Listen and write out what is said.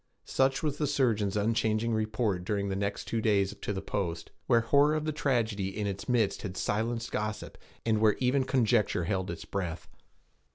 Such was the surgeon's unchanging report during the next two days to the post, where horror of the tragedy in its midst had silenced gossip, and where even conjecture held its breath.